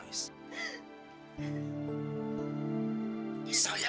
kamu sudah berubah